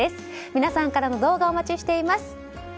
皆さんからの動画をお待ちしています。